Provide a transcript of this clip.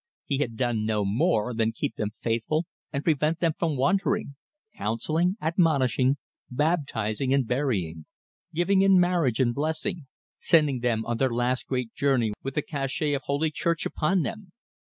He had done no more than keep them faithful and prevent them from wandering counselling, admonishing, baptising, and burying, giving in marriage and blessing, sending them on their last great journey with the cachet of Holy Church upon them.